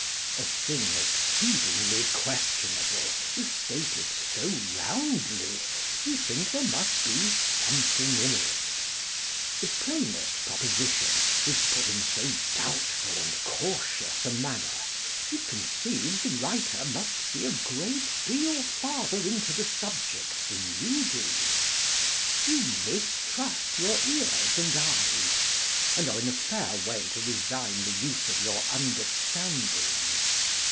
A thing exceedingly questionable is stated so roundly, you think there must be something in it : the plainest pro position is put in so doubtful and cautious a manner, you conceive the writer must see a great deal farther into the subject than you do. You mistrust your ears and eyes, and are in a fair way to resign the use of your under standing.